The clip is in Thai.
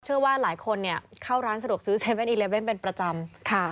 เชื่อว่าหลายคนเข้าร้านสะดวกซื้อ๗๑๑เป็นประจำ